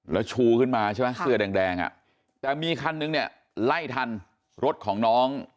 แล้วชูขึ้นมาใช่ไหมเสื้อแดงอ่ะแต่มีคันนึงเนี่ยไล่ทันรถของน้อง